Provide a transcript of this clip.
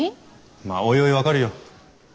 まあおいおい分かるよ。